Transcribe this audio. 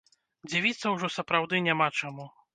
Дзівіцца ўжо сапраўды няма чаму.